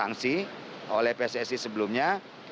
barengsi oleh pssi sebelumnya